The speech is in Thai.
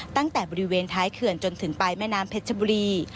ตั้งแต่บริเวณท้ายเขื่อนจนถึงปลายแม่น้ำเพชรบุรี